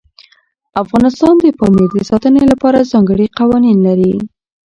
افغانستان د پامیر د ساتنې لپاره ځانګړي قوانین لري.